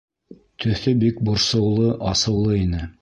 Төҫө бик борсоулы, асыулы ине.